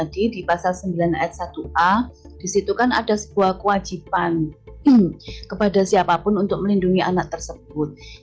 di pasar sembilan s satu a di situ kan ada sebuah kewajiban kepada siapapun untuk melindungi anak tersebut